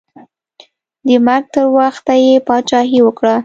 د مرګ تر وخته یې پاچاهي وکړه.